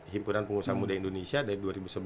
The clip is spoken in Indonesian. himpunan pengusaha muda indonesia dari dua ribu sebelas